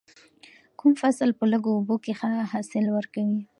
کوم فصل په لږو اوبو کې ښه حاصل ورکوي؟